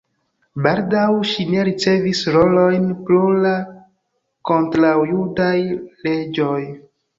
Baldaŭ ŝi ne ricevis rolojn pro la kontraŭjudaj leĝoj.